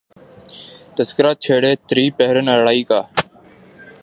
تذکرہ چھیڑے تری پیرہن آرائی کا